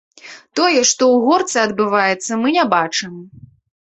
Тое, што ў горцы адбываецца, мы не бачым.